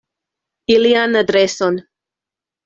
Ilian adreson.